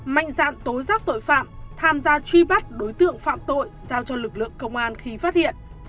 mạnh dạng tố giác tội phạm tham gia truy bắt đối tượng phạm tội giao cho lực lượng công an khi phát hiện